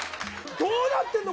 どうなってるの！